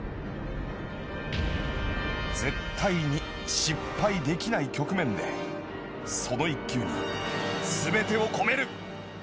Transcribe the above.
絶対に失敗できない局面でその一球に全てを込める。